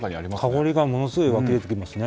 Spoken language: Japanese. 香りがものすごい湧き出てきますね。